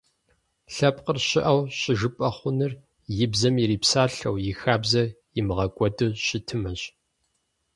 Лъэпкъыр щыӀэу щыжыпӀэ хъунур и бзэм ирипсалъэу, и хабзэр имыгъэкӀуэду щытымэщ.